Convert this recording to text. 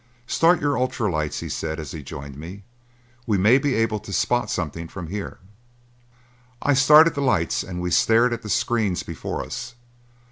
"Start your ultra lights," he said as he joined me. "We may be able to spot something from here." I started the lights and we stared at the screens before us.